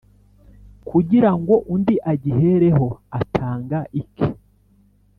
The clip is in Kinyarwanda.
kugira ngo undi agihereho atanga ike